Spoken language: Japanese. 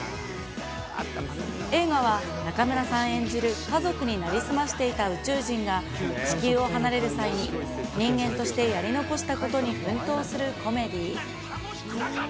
映画は中村さん演じる、家族に成り済ましていた宇宙人が地球を離れる際に人間としてやり残したことに奮闘するコメディー。